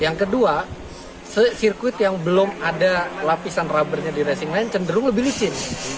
yang kedua sirkuit yang belum ada lapisan rubber nya di racing line cenderung lebih licin